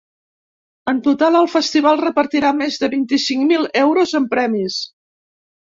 En total, el festival repartirà més de vint-i-cinc mil euros en premis.